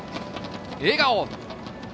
笑顔！